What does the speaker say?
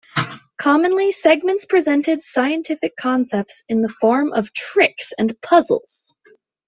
Commonly, segments presented scientific concepts in the form of tricks and puzzles.